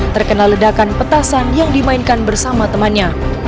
terkena ledakan petasan yang dimainkan bersama temannya